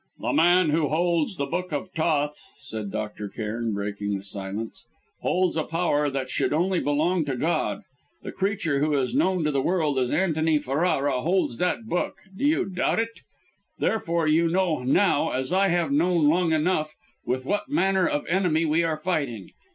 "The man who holds the Book of Thoth," said Dr. Cairn, breaking the silence, "holds a power which should only belong to God. The creature who is known to the world as Antony Ferrara, holds that book do you doubt it? therefore you know now, as I have known long enough, with what manner of enemy we are fighting.